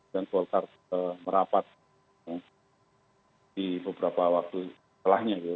dan golkar merapat di beberapa waktu telahnya gitu